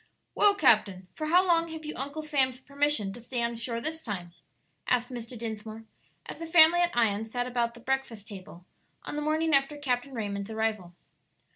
_ "Well, captain, for how long have you Uncle Sam's permission to stay on shore this time?" asked Mr. Dinsmore, as the family at Ion sat about the breakfast table on the morning after Captain Raymond's arrival.